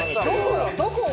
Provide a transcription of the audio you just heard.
どこを？